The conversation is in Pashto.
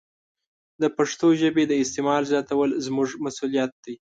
د پښتو ژبې د استعمال زیاتول زموږ مسوولیت دی.